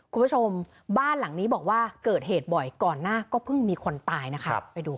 คุณผู้ชมบ้านหลังนี้บอกว่าเกิดเหตุบ่อยก่อนหน้าก็เพิ่งมีคนตายนะคะไปดูค่ะ